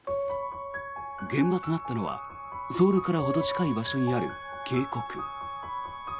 現場となったのはソウルからほど近い場所にある渓谷。